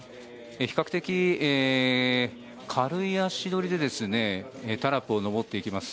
比較的、軽い足取りでタラップを上っていきます。